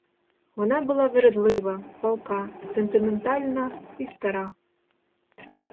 Вона була вередлива, палка, сентиментальна і стара.